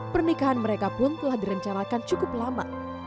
pernikahan mereka pun telah direncanakan cukup lama